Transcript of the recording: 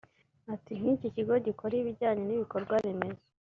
Ati “ Nk’ikigo gikora ibijyanye n’ibikorwa remezo